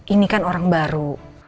ini kan orang baru